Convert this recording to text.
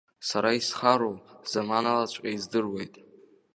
Сара исхароу заманалаҵәҟьа издыруеит.